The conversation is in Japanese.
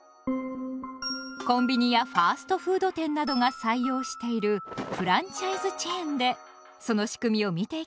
コンビニやファストフード店などが採用している「フランチャイズチェーン」でその仕組みを見ていきましょう。